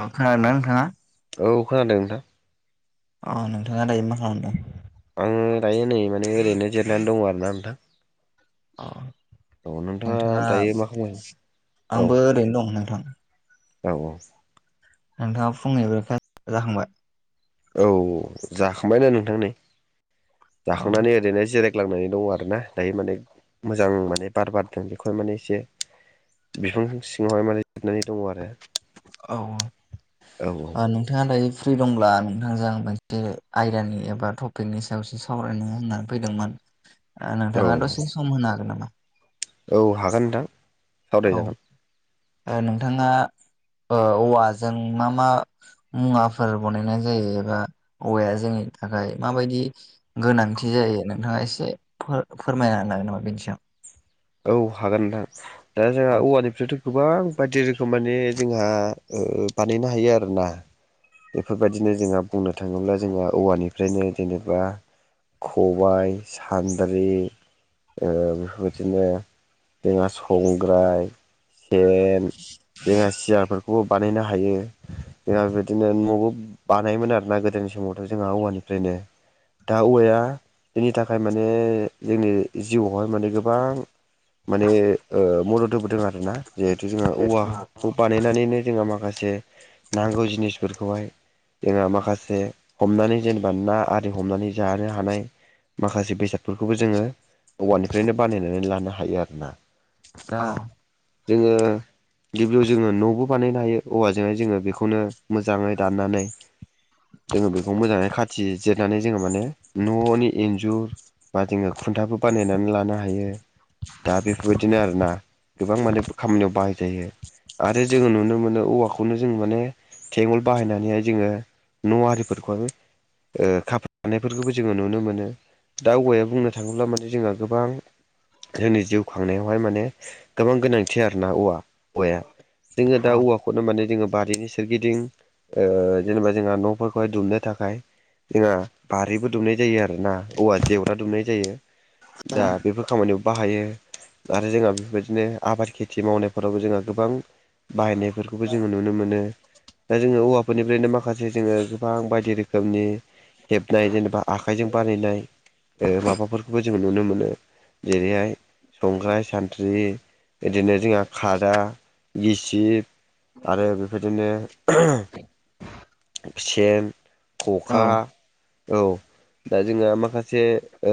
अ खोनादोंना नोंथाङा औ खोनादों नोंथां अ नोंथांङा दायो मा खालामदों ओम दायो नै माने ओरैनो जिरनानै दङ आरोना नोंथां औ औ नोंथाङा दायो मा खालामगासिनो आंबो ओरैनो दं नोंथां औ औ नोंथाङा फुंनि ब्रेखफास जाखांबाय औ जाखांबायनो नोंथां नै औ जाखांनानै ओरैनो जिराय गोलांनानै दङ आरो ना दायो माने मोजां माने बार बारदों बेखौनो माने एसे बिफां सिङावहाय मारै जिरायनानै दङ आरो औ औ औ बारलि नोंथाङा दायो फ्रि दंब्ला नोंथांजों आं मोनसे आयदानि एबा टपिकनि सायावसो सावरायनो होननानै फैदोंमोन दा औ नोंथाङा दसे सम होनो हागोन नामा औ हागोन नोंथां सावरायजागोन औ नोंथाङा दा औवाजों मा मा मुवाफोर बनायनाय जायो एबा औवाया जोंनि थाखाय माबायदि गोनांथि जायो नोंथाङा एसे फोरमायनो हागोन नामा बेनि सायाव औ हागोन नोंथां दा जोंहा औवानिफ्रायथ' गोबां बायदि रोखोम माने जोंहा बानायनो हायो आरोना बेफोरबायदिनो जोंहा बुंनो थाङोब्ला जोंहा औवानिफ्रायनो जेनेबा ख'बाय सान्द्रि ओ बेफोरबायदि नो जोंहा संग्राय, सेन जोंहा सियारफोरखौबो बानायनो हायो जोंहा बेबायदिनो न'बो बानायोमोन आरोना गोदोनि समावथ' जोंहा औवानिफ्रायनो दा औवाया बेनि थाखाय माने जोंनि जिउआवहाय माने गो बां माने मदद होबोदों आरोना जिहेथु जोंहा औ औवाखौ बानायनानैनो जोङो माखासे नांगौ जिनिसफोरखौहाय जोंहा माखासे हमनानै जेनेबा ना आरि हमनानै जानो हानाय माखासे बेसादफोरखौबो जोङो औवानिफ्रायनो बानायनानै लानो हायो आरोना औ दा जोङो गिबियाव जोङो न'बो बानायनो हायो औवाजोंहाय जोङो बेखौनो मोजाङै दाननानै जोङो बेखौ मोजाङै खाथि जिरनानै जोङो माने न'नि इन्जुर बा जोंङो खुन्थाबो बानायनानै लानो हायो हायो दा बेफोरबायदिनो आरोना गोबां माने खामानियाव बाहायजायो आरो जोङो नुनो मोनो औवाखौनो जों माने थेंउल बाहायनानैहाय जोङो न' आरिफोरखौहायबो खाफालानायफोरखौबो जोंङो नुनो मोनो दा औवाया बुंनो थाङोब्ला माने जोंहा गोबां जोंनि जिउ खांनायावहाय माने गोबां गोनांथि आरो ना औवा औवाया जोंङो औ दा औवाखौ खौनो माने जोंङो बारिनि सोरगिदिं ओ जेनेबा जोंहा न'फोरखौहाय दुमनो थाखाय जोंहा बारिबो दुमनाय जायो आरोना औवा जेवरा दुमनाय जायो दा बेफोर खामानियाव बाहायो आरो जोंहा बेफोरबायदिनो आबाद खेथि मावनायफोरावबो जोंहा गोबां बाहायनायफोरखौबो जोङो नुनो मोनो दा जोङो औवाफोरनिफ्रायनो माखासे जोङो गोबां बायदि रोखोमनि हेबनाय जेनेबा आखाइजों बानायनाय ओ माबाफोरखौबो जोङो नुनो मोनो जेरैहाय संग्राय सानथ्रि बिदिनो जोंहा खादा गिसिब आरो बेफोरबायदिनो सेन औ खखा औ दा जोंहा माखासे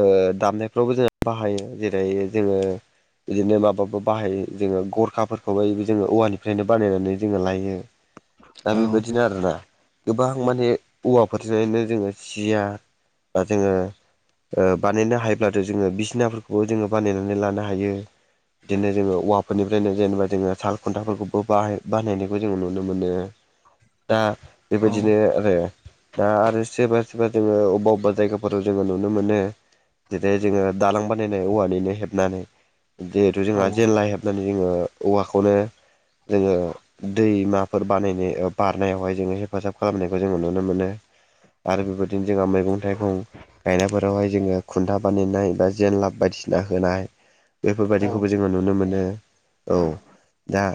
ओ दामनायफ्रावबो जोंहा बाहायो जेरै जोङो बिदिनो माबाबो बाहायो जोङो गरखाफोरखौबोाय जोङो औवानिफ्रायनो बानायनानै जोङो लायो दा औ बेबायदिनो आरोना गोबां माने औवाफोरजोंनो जोङो जिया बा जोङो ओ बानायनो हायोब्लाथ' जोङो बिसिनाफोरखौबो जोङो बानायनानै लानो हायो बिदिनो जोङो औवाफोरनिफ्रायनो जेनेबा जोङो साल खुन्थाफोरखौबो बाहा बाहाय बानायनायखौ जोङो नुनो मोनो दा औ बेबायदिनो आरो दा आरो सोरबा सोरबा जोङो अबेबा अबेबा जायगाफोराव जोङो नुनो मोनो जे जोङो दालां बानायनाय औवानिनो हेबनानै जिहेथु औ जोंहा जेनला हेब होननानै जोङो औवाखौनो जोङो दैमाफोर बानायनाय बारनायावहाय जोङो हेफाजाब खालामनायखौ जोङो नुनो मोनो आरो बेबायदिनो जोंहा मैगं थाइगं गायनायफोरावहाय जोङो खुनथाब बानायनाय बा जेनलाब बायदिसिना होनाय औ बेफोरबायदिखौबो जोङो नुनो मोनो औ दा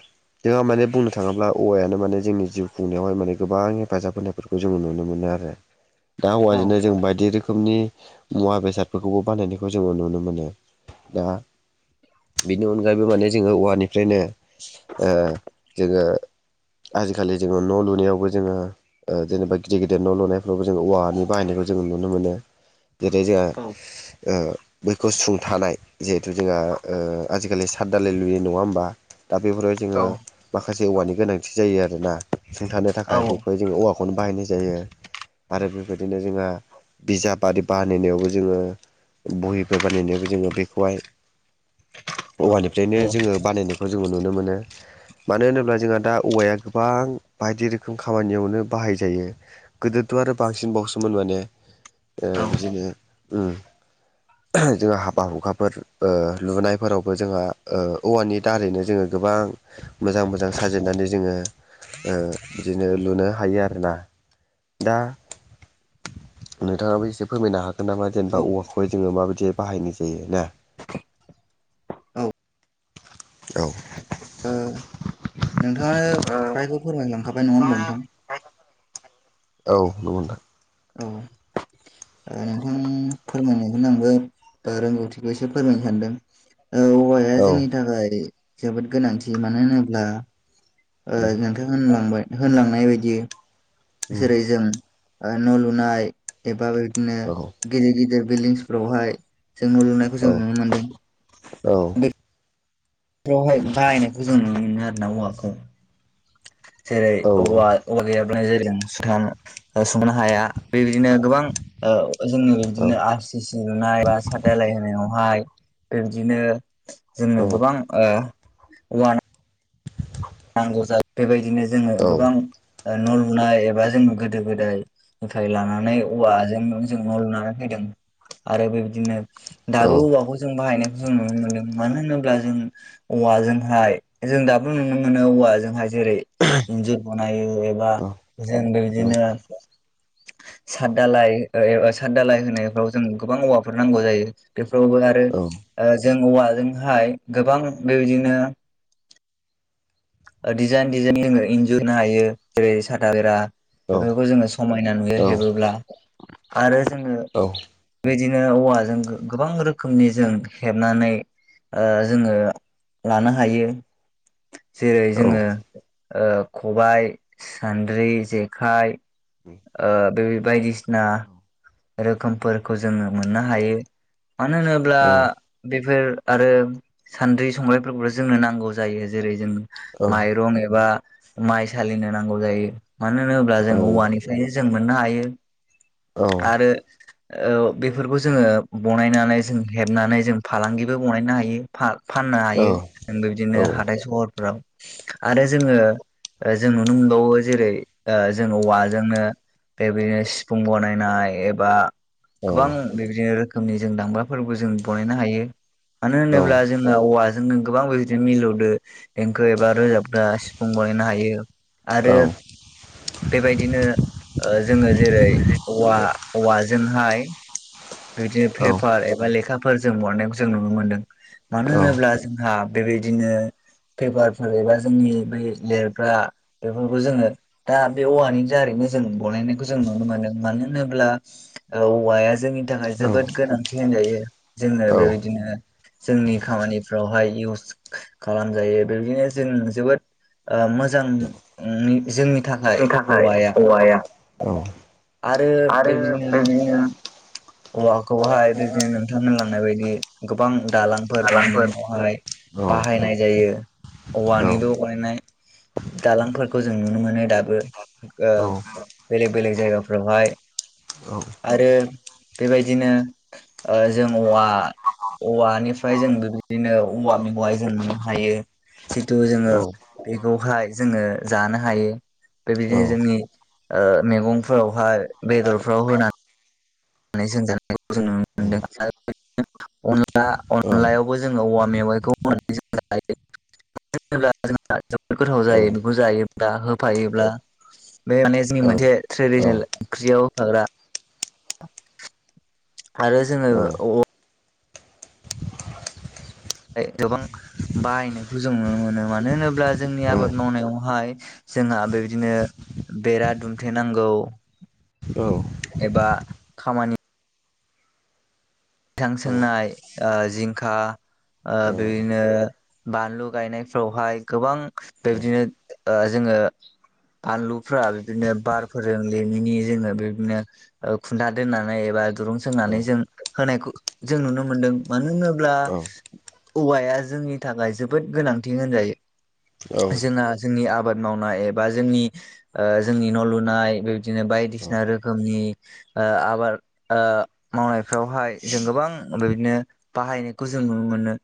जोंहा माने बुंनो थाङोब्ला औवायानो माने जोंनि जिउ खुंनायावहाय माने गोबां हेफाजाब होनायफोरखौ जोङो नुनो मोनो आरो दा हौवाजोंनो जों बायदि रोखोमनि मुवा बेसाद फोरखौबो बानायनायखौ जोङो नुनो मोनो दा बिनि अनगायैबो माने जोङो औवानिफ्रायनो ओ जोङो आजिखालि जोङो न' लुनायावबो जोङो ओ जेनोबा गिदिर गिदिर न' लुनायफ्रावबो जों औवानि बाहायनायखौ जों नुनो मोनो जेरै जोंहा ओ बैखौ सुंथानाय जिहेथु जोंहा ओ आजिखालि साद दालाय लुनाय नङा होमबा दा बेफोरावहाय औ जोङो माखासे औवानि गोनांथि जायो आरोना सुंथानो थाखाय ओ बेखौहाय जोङो औवा खौनो बाहायनाय जायो आरो बेफोरबायदिनो जोंहा बिजाब आरि बानायनायावबो जोङो बहिफोर बानायनायावबो जोङो बेखौहाय औवानिफ्रायनो जोङो बानायनायखौ जोङो नुनो मोनो मानो होनोब्ला जोंहा दा औवाया गोबां बायदि रोखोम खामानियावनो बाहाय जायो गोदोथ' आरो बांसिन बावसोमोन माने ओ बिदिनो ओम जोंहा हाबा हुखाफोर लुनायफोरावबो जोंहा औवानि दारैनो जोङो गोबां मोजां मोजां साजायनानै जोङो बिदिनो लुनो हायो आरोना दा नोंथाङाबो एसे फोरमायनो हागोन नामा जेनेबा औवाखौहाय जोङो माबायदियै बाहायनाय जायो ना औ नोंथाङा फ्रायखौ फोरमायलांखाबाय नङा होनोमबा नोंथां औ [inaudible] औ नोंथां फोरमायनायखौनो आंबो रोंगौथिखौ एसे फोरमायनो सानदों औवाया औ जोंनि थाखाय जोबोद गोनांथि मानो होनोब्ला ओ उम नोंथां होनलांबाय होनलांनाय बायदि उम जेरै जों न' लुनाय एबा बेदिनो औ गिदिर गिदिर बिल्डिंसफोरावहाय जों न' लुनाय औ जों नुनो मोनदों औ बे बेवहाय बाहायनायखौ जों नुनो मोनो आरो ना औवाखौ जेरै औ औवाऔवा गैयाब्लानो जेर ज सुथान संनो हाया बेबायदिनो गोबां जोङो औ बिदिनो आर सि सि लुनाय बा साटदालाय होनायाव बिबदिनो जों औ गोबां औवा नांगौ [inaudible] नांगौजायो बेबायदिनो जोङो औ गोबां न' लुनाय एबा जोंनि गोदो गोदाय निफ्राय लानानै औवाजों जों न' लुनानै फैदों आरो बेबायदिनो दाबो औवाखौ बाहायनाय जों नुनो मोन मानो होनोब्ला जों औवाजोंहाय जों दाबो नुनो मोन औवा जोंहाय जेरै इन्जुर बनायो एबा जों बेबायदिनो साद दालाय साद दालाय होनायफ्राव जों गोबां औवाफोर नांगौ जायो बेफोरावबो आरो आरो जों औवाजोंहाय गोबां बेबायदिनो डिजाइन डिजाइन जोंङो इन्जुरनो हायो जेरै साथा बेरा बेफोरखौ जोङो समायना नुयो हेबोब्ला आरो जोङो बेदिनो औवाजों गोबां रोखोमनि जों हेबनानै जोङो लानो हायो जेरै जोंङो खबायाइ सान्द्रि जेखाइ बे बायदिसिना रोखोमफोरखौ जोङो मोननो हायो मानो होनोब्ला अब्ला बेफोर आरो सान्द्रि संग्रायफोरखौथ' जोंनो नांगौ जायो जेरै जों माइरं एबा माइ सालिनो नांगौ जायो मानो होनोब्ला जों औवानि जों मोननो हायो आरो बेफोरखौ जोङो बनायनानै जों हेबनानै जों फालांगिबो बानायनो हायो फाननो हायो जों बिबदिनो हाथाय सहरफ्राव आरो जोङो जों नुनो मोनबावो जेरै जों औवा जोंनो बेबायदिनो सिफुं बनायनाय एबा गोबां बेदिनो रोखोमनि जों दामग्राबो जों बानायनो हायो मानो होनोब्ला जों जोंना औवाजों गोबां बे बिदिनो मिलौदो देंखो एबा रोजाबग्रा सिफुं बानायनो हायो आरो बेबायदि बिदिनो जोङो जेरै औवा औवाजोंहाय बिदिनो पेपार एबा लेखाफोर जों बरनायखौ जों नुनो मोन्दों मानो होनोब्ला जोंहा बेबायदिनो पेपारफोर एबा जोंनि बै लिरग्रा बेफोरखौ जोङो दा बे औवानि दारैनो जों बलायनायखौ जों नुनो मोनदों मानो होनोब्ला औवाया जोंनि थाखाय औ जोबोद गोनांथि होनजायो जोङो बेबायदिनो जोंनि खामानिफ्रावहाय इउस खालामजायो बेदिनो जों जोबोद मोजां जोंनि थाखाय औवाया आरो बिदिनो औवाखौहाय बिदिनो नोंथांनो लांनाय बायदि गोबां दालांफोर बनायनायावहाय औ बाहायनाय जायो औ औवानिबो बानायनाय दालांफोरखौ जों नुनो मोनो दाबो औ बेलेग बेलग जायगाफोरावहाय औ आरो बेबायदिनो जों औवा औवानिफ्राय जों बेबायदिनो औवा मैगंहाय जों मोननो हायो जिथु औ जोङो औ बेखौहाय जोङो जानो हायो बेबायदिनो जोंनि ओ मैगंफोरावहाय बेदरफ्राव होनानै जों नुनो मोनदों आरो अनला अनलायाव बो जोङो औवा मेवाइखौनानै जायो मानो होनोब्ला जोंहा जोबोद गोथाव जायो बेखौ जायोब्ला होफायोब्ला बे माने जोंनि मोनसे ट्रेडिसनेल ओंख्रियाव होफाग्रा [inaudible] ओरो जोंङो औ गोबां बाहायनायखौ जों नुनो मोनो मानो होनोब्ला जोंनि आबाद मावनायावहाय जोंहा बेबायदिनो बेरा दुमथे नांगौ एबा खामानि थां सोंनाय ओ जिंखा ओ बेबायदिनो बानलु गायनायफ्रावहाय गोबां बेबदिनो ओ जोङो बानलुफ्रा बिदिनो बारफोरजों लिनिनि जोङो बिदिनो ओ खुन्था दोननानै एबा दुरुं सोंनानै जों होनायखौ जों नुनो मोनदों मानो होनोब्ला औवाया जोंनि थाखाय जोबोद गोनांथि होनजायो जोंहा जोंनि आबाद मावनाय एबा जोंनि ओ जोंनि न' लुनाय बेबदिनो बायदिसिना रोखोमनि ओ आबाद ओ मावनाय फावहाय जों गोबां बेदिनो बाहायनायखौ जों नुनो मोनो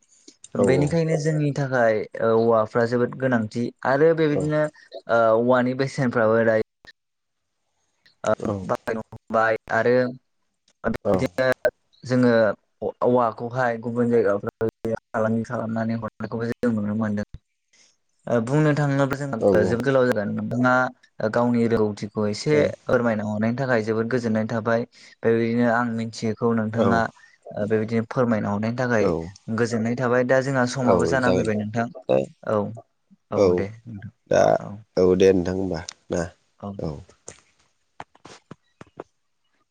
औ बेनिखायनो जोंनि थाखाय औवाफ्रा जोबोद गोनांथि आरो औ बेबायदिनो ओ औवानि बेसेनफ्राबो दायो औ बाहायनो हबाय आरो औ बिदिनो जोङो औवाखौहाय गुबुन जायगाफ्राव फालांगि खालामनानै हनायखौ जों नुनो मोनदों बुंनो थाङोब्ला औ जों जोबोद गोलाव जागोन नोंथाङा गावनि रोंगौथिखौ औ एसे फोरमायना हरनायनि थाखाय जोबोद गोजोननाय थाबाय बेबायदिनो आं मिथियैखौ औ नोंथाङा बेबायदिनो फोरमायना हरनायनि औ थाखाय गोजोननाय थाबाय दा जोंहा औ समाबो जाना जागोन फैबाय नोंथां दा औ औ दे दा नोंथां औ औ दे नोंथां होमबा ना औ